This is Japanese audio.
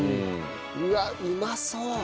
うわっうまそう！